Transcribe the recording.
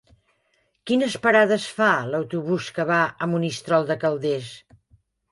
Quines parades fa l'autobús que va a Monistrol de Calders?